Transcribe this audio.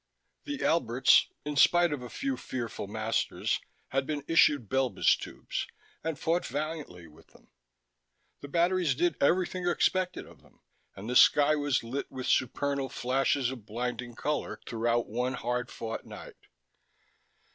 The Alberts in spite of a few fearful masters, had been issued Belbis tubes and fought valiantly with them; the batteries did everything expected of them, and the sky was lit with supernal flashes of blinding color throughout one hard fought night.